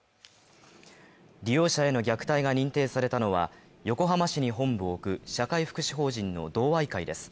利用者への虐待が認定されたのは横浜市に本部を置く社会福祉法人の同愛会です